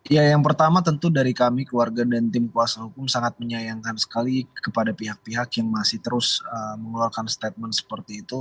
ya yang pertama tentu dari kami keluarga dan tim kuasa hukum sangat menyayangkan sekali kepada pihak pihak yang masih terus mengeluarkan statement seperti itu